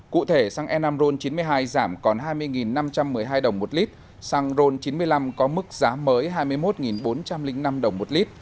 cụ thể xăng e năm ron chín mươi hai giảm còn hai mươi năm trăm một mươi hai đồng một lít xăng ron chín mươi năm có mức giá mới hai mươi một bốn trăm linh năm đồng một lít